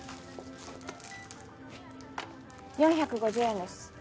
４５０円です。